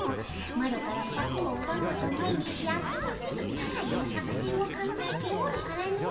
マロからシャクをうばおうと毎日あきもせず使えぬ作せんを考えておるからの。